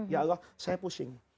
ya allah saya pusing